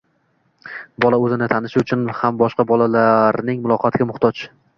Bola o‘zini tanishi uchun ham boshqa bolalarning muloqotiga mujtoj.